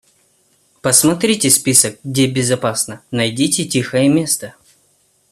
Посмотрите список, где безопасно, найдите тихое место.